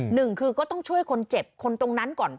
หนึ่งคือก็ต้องช่วยคนเจ็บคนตรงนั้นก่อน